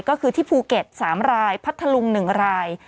ก็คือที่ภูเก็ต๓รายพัทธลุง๑ราย